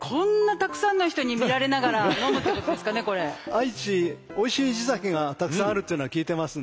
愛知おいしい地酒がたくさんあるっていうのは聞いてますんで。